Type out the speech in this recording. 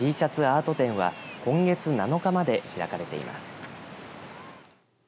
Ｔシャツアート展は今月７日まで開かれています。